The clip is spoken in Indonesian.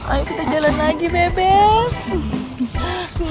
ayo kita jalan lagi bebek